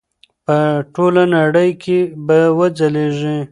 په ټوله نړۍ کې به وځلیږي.